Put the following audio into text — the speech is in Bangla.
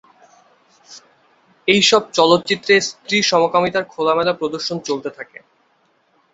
এই সব চলচ্চিত্রে স্ত্রী-সমকামিতার খোলামেলা প্রদর্শন চলতে থাকে।